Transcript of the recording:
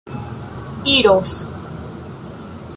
iros